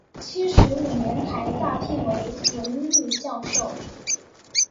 七十五年台大聘为荣誉教授。